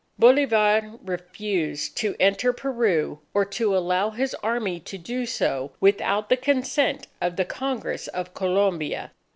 Bolivar refused to enter Peru or to allow his Army to do so without the consent of the Congress of Colombia.